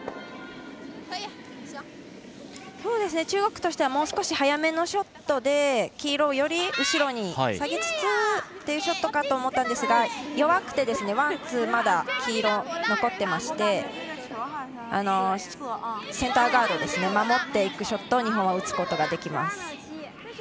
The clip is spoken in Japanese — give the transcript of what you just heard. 中国としてはもう少し速めのショットで黄色をより後ろに下げつつというショットかと思ったんですが弱くて、ワン、ツーまだ黄色と残っていましてセンターガードを守っていくショットを日本は打つことができます。